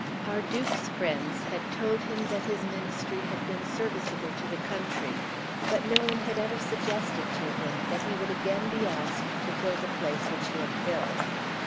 Our Duke's friends had told him that his Ministry had been serviceable to the country; but no one had ever suggested to him that he would again be asked to fill the place which he had filled.